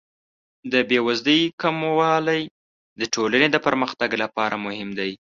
د بې وزلۍ کموالی د ټولنې د پرمختګ لپاره مهم دی.